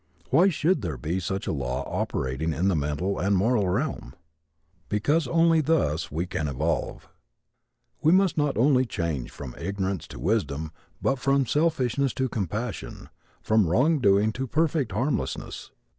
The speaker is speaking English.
Why should there be such a law operating in the mental and moral realm? Because only thus can we evolve. We must not only change from ignorance to wisdom but from selfishness to compassion, from wrong doing to perfect harmlessness.